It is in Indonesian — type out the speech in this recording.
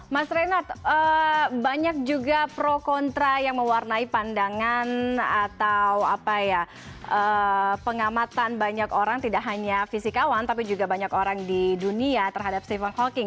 mas renat banyak juga pro kontra yang mewarnai pandangan atau pengamatan banyak orang tidak hanya fisikawan tapi juga banyak orang di dunia terhadap stephen hawking